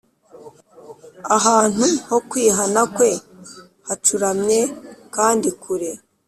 ahantu ho kwihana kwe hacuramye kandi kure.